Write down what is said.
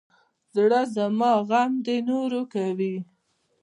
زړه زما غم د نورو کوي.